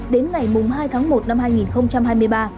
đến ngày hai tháng một năm hai nghìn hai mươi ba